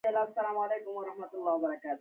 هغه ستا پاچاهي له منځه یوسي.